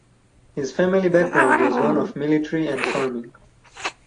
His family background was one of military and farming.